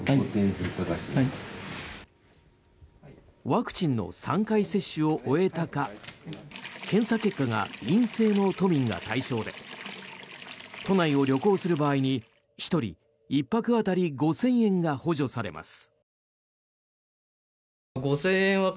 ワクチンの３回接種を終えたか検査結果が陰性の都民が対象で都内を旅行する場合１人１泊当たり５０００円が補助されます。